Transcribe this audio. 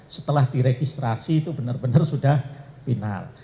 setelah diregistrasi itu benar benar sudah final